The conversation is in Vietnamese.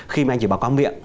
khi mà anh chỉ bảo có miệng